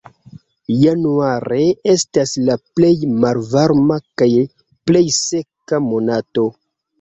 Januare estas la plej malvarma kaj plej seka monato.